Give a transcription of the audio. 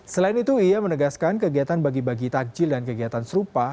selain itu ia menegaskan kegiatan bagi bagi takjil dan kegiatan serupa